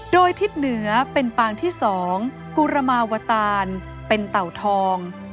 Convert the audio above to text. โดยทิศเหนือเป็นปางที่๒กุรมาวตานเป็นเต่าทอง